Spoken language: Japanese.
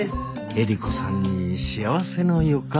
エリコさんに幸せの予感？